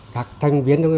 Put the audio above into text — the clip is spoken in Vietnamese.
các thành viên